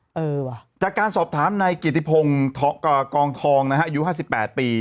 เออว่ะจากการสอบถามนายกิติพงศ์กองทองนะฮะอายุห้าสิบแปดปี